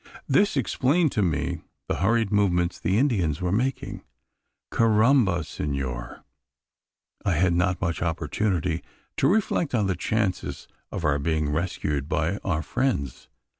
This explained to me the hurried movements the Indians were making. Carrambo, senor! I had not much opportunity to reflect on the chances of our being rescued by our friends.